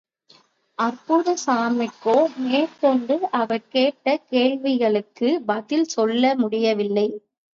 அற்புதசாமிக்கோ, மேற்கொண்டு அவர் கேட்ட கேள்விகளுக்கு பதில் சொல்ல முடியவில்லை.